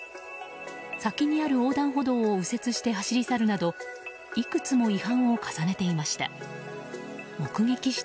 先にある横断歩道を右折して走り去るなどいくつも違反を重ねていました。